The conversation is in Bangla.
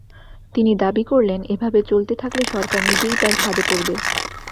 তিনি দাবি করেন, এভাবে চলতে থাকলে সরকার নিজেই তার ফাঁদে পড়বে।